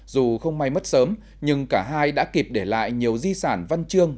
dù không may mất sớm nhưng cả hai đã kịp để lại nhiều di sản văn chương